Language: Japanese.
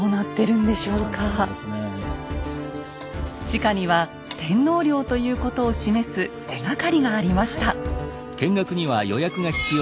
地下には天皇陵ということを示す手がかりがありました。